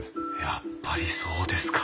やっぱりそうですか。